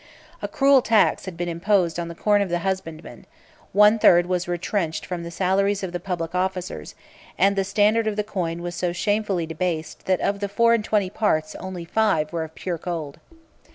A cruel tax had been imposed on the corn of the husbandman: one third was retrenched from the salaries of the public officers; and the standard of the coin was so shamefully debased, that of the four and twenty parts only five were of pure gold.